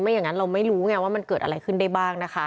อย่างนั้นเราไม่รู้ไงว่ามันเกิดอะไรขึ้นได้บ้างนะคะ